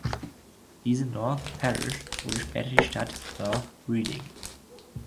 Diese North Parish wurde später die Stadt North Reading.